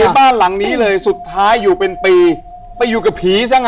บ้านหลังนี้เลยสุดท้ายอยู่เป็นปีไปอยู่กับผีซะไง